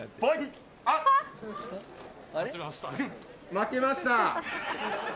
負けました。